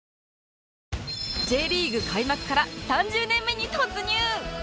Ｊ リーグ開幕から３０年目に突入